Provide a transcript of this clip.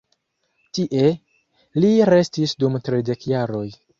Tie, li restis dum tridek jaroj.